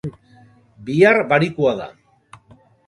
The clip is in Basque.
Bihar barikua da.